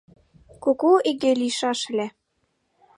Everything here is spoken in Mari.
Куку иге лийшаш ыле